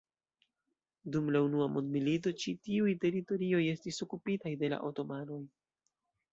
Dum la Unua Mondmilito ĉi tiuj teritorioj estis okupitaj de la otomanoj.